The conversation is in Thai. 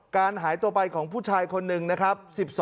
การหายตัวไปของผู้ชายคนหนึ่งนะครับ